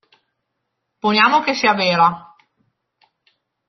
Poniamo che sia vera.